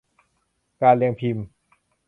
การเรียงพิมพ์